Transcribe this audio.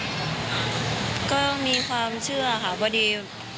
ก็ก็ต้องมีความเชื่อค่ะพอดี